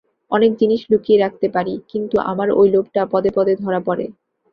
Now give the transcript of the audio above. অনেক জিনিস লুকিয়ে রাখতে পারি, কিন্তু আমার ঐ লোভটা পদে পদে ধরা পড়ে।